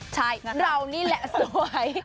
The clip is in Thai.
ใช่เรานี่แหละสวย